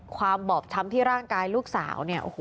ความบอบทำที่ร่างกายลูกสาวเนี่ย